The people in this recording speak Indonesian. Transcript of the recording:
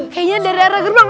kayaknya dari arah gerbang